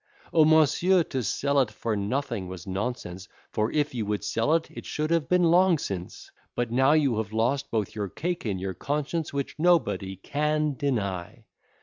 O Monsieur, to sell it for nothing was nonsense, For, if you would sell it, it should have been long since, But now you have lost both your cake and your conscience. Which nobody can deny.